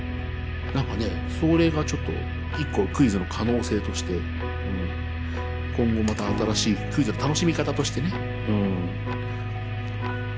なんかねそれがちょっと１個クイズの可能性としてうん今後また新しいクイズの楽しみ方としてねうん。